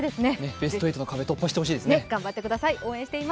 ベスト８の壁、突破してほしいですね。